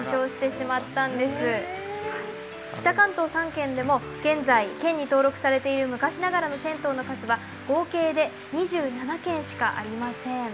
北関東３県でも現在県に登録されている昔ながらの銭湯の数は合計で２７軒しかありません。